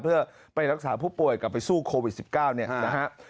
เพื่อไปรักษาผู้ป่วยกลับไปสู้โควิด๑๙เนี่ยนะฮะ